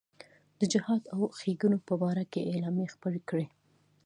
د جهاد او ښېګڼو په باره کې اعلامیې خپرې کړې.